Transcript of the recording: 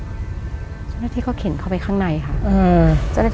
บทพี่แจ๊คจำได้ที่เขาเข็นเข้าไปข้างในค่ะเออ